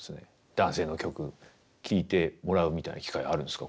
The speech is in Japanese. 男性の曲聴いてもらうみたいな機会あるんですか？